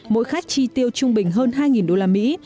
mỗi khách chi tiêu trung bình hơn hai đô la mỹ